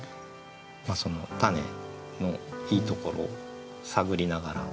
そのたねのいいところを探りながら。